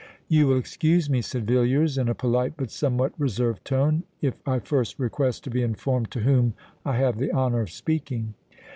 "You will excuse me," said Villiers in a polite but somewhat reserved tone, "if I first request to be informed to whom I have the honour of speaking."